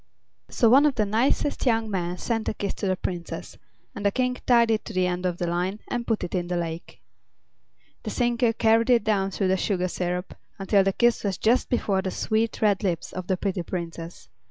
So one of the nicest young men sent a kiss to the Princess, and the King tied it to the end of the line and put it in the lake. The sinker carried it down through the sugar syrup until the kiss was just before the sweet, red lips of the pretty Princess.